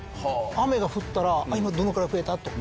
雨が降ったら今どのくらい増えた？と。